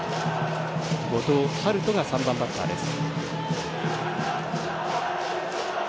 後藤陽人が３番バッターです。